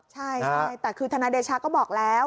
ใช่แต่คือทนายเดชาก็บอกแล้ว